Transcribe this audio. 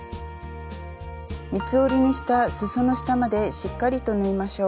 三つ折りにしたすその下までしっかりと縫いましょう。